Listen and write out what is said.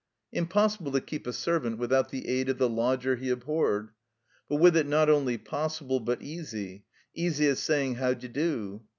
Impossible to keep a servant without the aid of the lodger he abhorred. But with it not only possible but easy, easy as saying how d'you do.